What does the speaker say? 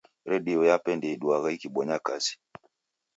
Redio yape ndeiduaa ikibonya kazi.